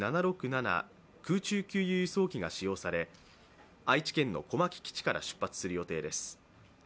空中給油・輸送機が使用され、愛知県の小牧基地から出発する予定です。